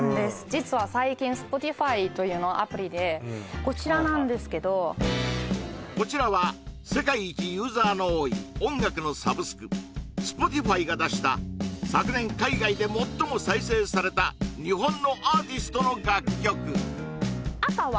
実は最近Ｓｐｏｔｉｆｙというアプリでこちらなんですけどこちらは世界一ユーザーの多い音楽のサブスクＳｐｏｔｉｆｙが出した昨年海外で最も再生された日本のアーティストの楽曲